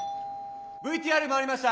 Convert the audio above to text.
ＶＴＲ回りました！